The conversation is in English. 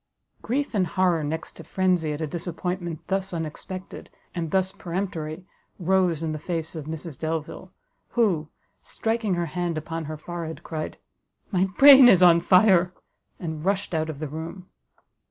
Grief and horror next to frenzy at a disappointment thus unexpected, and thus peremptory, rose in the face of Mrs Delvile, who, striking her hand upon her forehead, cried, "My brain is on fire!" and rushed out of the room.